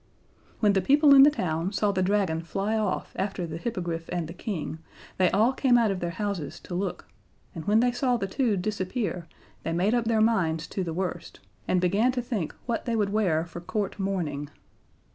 When the people in the town saw the Dragon fly off after the Hippogriff and the King they all came out of their houses to look, and when they saw the two disappear they made up their minds to the worst, and began to think what they would wear for Court mourning.